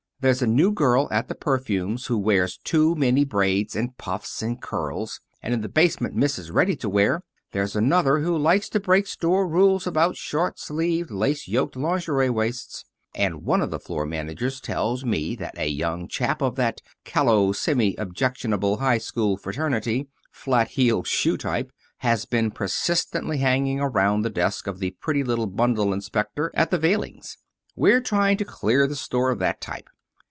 There's a new girl at the perfumes who wears too many braids, and puffs, and curls, and in the basement misses' ready to wear there's another who likes to break store rules about short sleeved, lace yoked lingerie waists. And one of the floor managers tells me that a young chap of that callow, semi objectionable, high school fraternity, flat heeled shoe type has been persistently hanging around the desk of the pretty little bundle inspector at the veilings. We're trying to clear the store of that type.